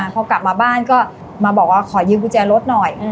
พอกลับมาบ้านก็มาบอกว่าขอยืมกุญแจรถหน่อย